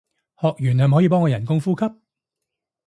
學完係咪可以幫我人工呼吸